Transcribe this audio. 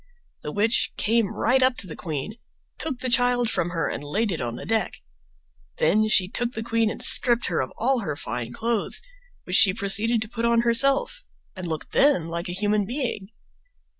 The witch came right up to the queen, took the child from her, and laid it on the deck; then she took the queen and stripped her of all her fine clothes, which she proceeded to put on herself and looked then like a human being.